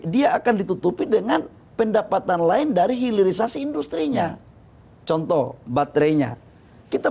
dia akan ditutupi dengan pendapatan lain dari hilirisasi industri nya contoh baterainya kita